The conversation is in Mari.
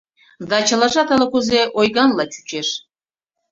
Да чылажат ала-кузе ойганла чучо.